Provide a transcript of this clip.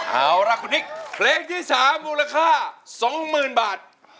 เอาล่ะคุณนิกเพลงที่๓มูลค่า๒๐๐๐บาท